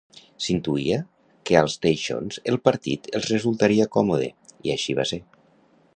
S'intuïa que als teixons el partit els resultaria còmode, i així va ser.